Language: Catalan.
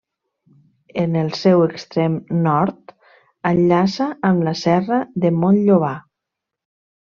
En el seu extrem nord enllaça amb la Serra de Montllobar.